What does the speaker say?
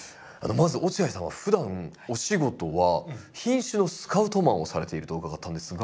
まず落合さんはふだんお仕事は品種のスカウトマンをされていると伺ったんですが。